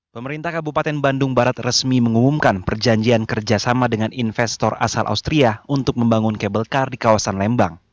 pemerintah kabupaten bandung barat resmi mengumumkan perjanjian kerjasama dengan investor asal austria untuk membangun kabel kar di kawasan lembang